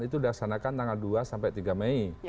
itu dilaksanakan tanggal dua sampai tiga mei